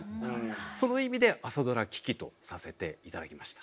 その意味で「朝ドラ危機」とさせていただきました。